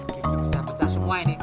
gigi pecah pecah semua ini